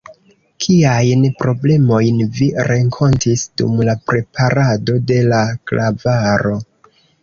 Kiajn problemojn vi renkontis dum la preparado de la klavaro?